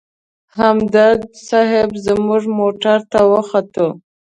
همدرد صیب زموږ موټر ته وختو.